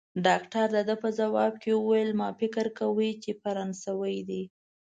ډاکټر د ده په ځواب کې وویل: ما فکر کاوه، چي فرانسوی دی.